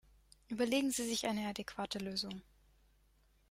Überlegen Sie sich eine adäquate Lösung!